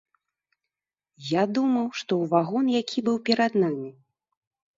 Я думаў, што ў вагон, які быў перад намі.